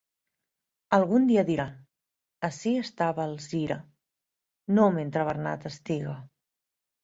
Algun dia diran: —Ací estava Alzira. —No, mentre Bernat estiga.